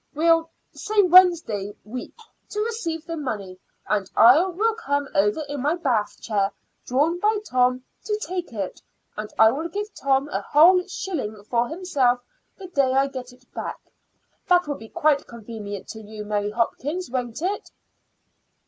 We'll say Wednesday week to receive the money, and I will come over in my bath chair, drawn by Tom, to take it; and I will give Tom a whole shilling for himself the day I get it back. That will be quite convenient to you, Mary Hopkins, won't it?"